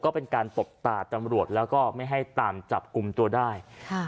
ก็เป็นการตบตาตำรวจแล้วก็ไม่ให้ตามจับกลุ่มตัวได้ค่ะ